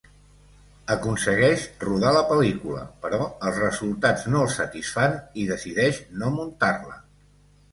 Aconsegueix rodar la pel·lícula, però els resultats no el satisfan i decideix no muntar-la.